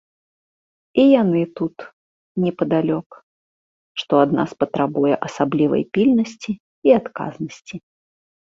І яны тут, непадалёк, што ад нас патрабуе асаблівай пільнасці і адказнасці.